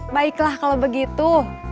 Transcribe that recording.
baiklah kalau begitu